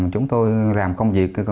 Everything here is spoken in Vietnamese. chúng tôi làm công việc